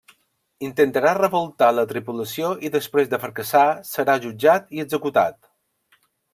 Intentarà revoltar la tripulació i després de fracassar serà jutjat i executat.